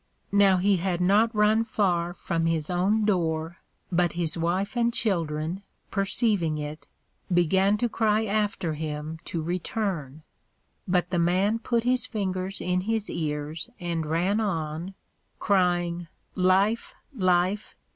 Now he had not run far from his own door, but his Wife and Children, perceiving it, began to cry after him to return; but the Man put his fingers in his ears, and ran on, crying, _Life! Life!